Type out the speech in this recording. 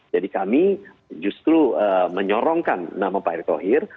jadi kami justru menyorong pak erick klohir